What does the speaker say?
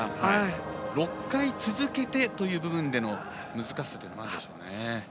６回続けてという部分での難しさもあるでしょうね。